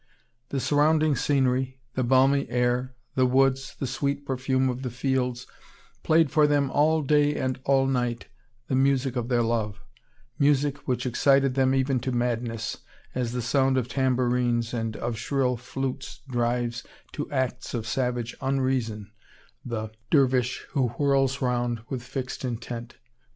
The surrounding scenery, the balmy air, the woods, the sweet perfume of the fields, played for them all day and all night the music of their love music which excited them even to madness, as the sound of tambourines and of shrill flutes drives to acts of savage unreason the dervish who whirls round with fixed intent.